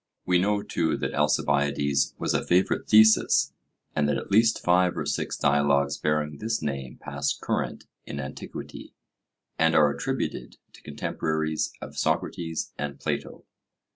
We know, too, that Alcibiades was a favourite thesis, and that at least five or six dialogues bearing this name passed current in antiquity, and are attributed to contemporaries of Socrates and Plato.